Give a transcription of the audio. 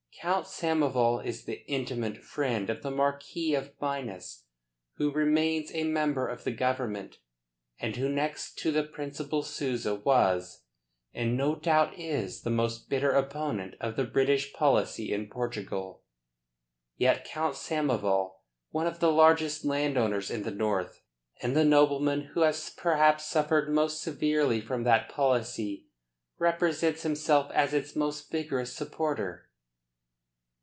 Count Samoval is the intimate friend of the Marquis of Minas, who remains a member of the Government, and who next to the Principal Souza was, and no doubt is, the most bitter opponent of the British policy in Portugal. Yet Count Samoval, one of the largest landowners in the north, and the nobleman who has perhaps suffered most severely from that policy, represents himself as its most vigorous supporter."